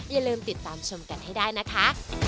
อย่าลืมติดตามชมกันให้ได้นะคะ